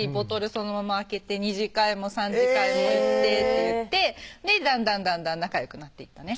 そのまま開けて２次会も３次会も行ってっていってだんだんだんだん仲よくなっていったね